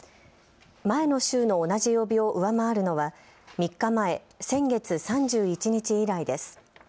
前の週の同じ曜日を上回るのは３日前、先月３１日以来です。